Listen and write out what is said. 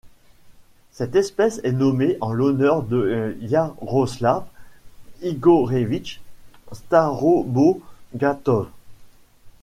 Cette espèce est nommée en l'honneur de Yaroslav Igorevich Starobogatov.